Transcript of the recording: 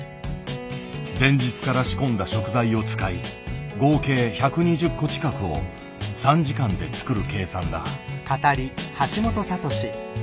前日から仕込んだ食材を使い合計１２０個近くを３時間で作る計算だ。